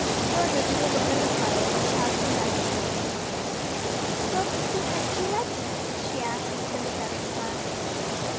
Mildred was alone in the parlor when the child came back at noon. "Well, pussy, how did you like it?" she asked with a sympathetic smile.